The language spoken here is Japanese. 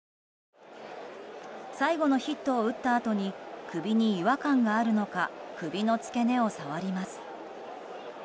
最後のヒットを打ったあとに首に違和感があるのか首の付け根を触ります。